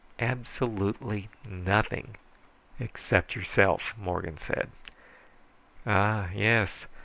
Absolutely nothing." "Except yourself," Morgan said. "Ah, yes.